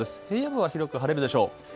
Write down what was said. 平野部は広く晴れるでしょう。